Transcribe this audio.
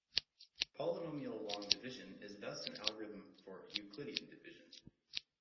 Polynomial long division is thus an algorithm for Euclidean division.